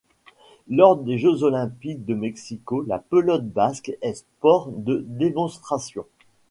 Lors des Jeux Olympiques de Mexico, la pelote basque est sport de démonstration.